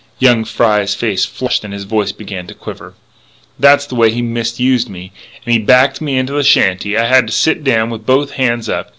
Young Fry's face flushed and his voice began to quiver: "That's the way he misused me: and he backed me into the shanty and I had to sit down with both hands up.